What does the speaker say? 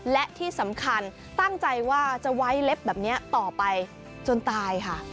และที่สำคัญตั้งใจว่าจะไว้เล็บแบบนี้ต่อไปจนตายค่ะ